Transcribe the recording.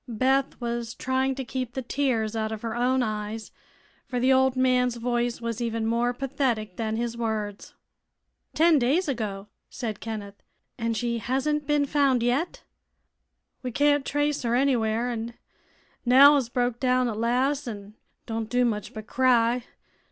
Beth was trying to keep the tears out of her own eyes, for the old man's voice was even more pathetic than his words. "Ten days ago!" said Kenneth. "And she hasn't been found yet?" "We can't trace her anywhere, an' Nell has broke down at las', an' don't do much but cry.